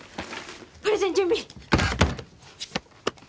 プレゼン準備！